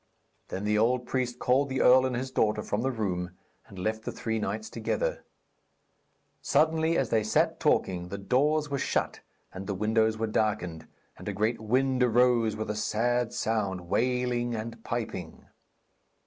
Then the old priest called the earl and his daughter from the room, and left the three knights together. Suddenly, as they sat talking, the doors were shut and the windows were darkened, and a great wind arose with a sad sound, wailing and piping.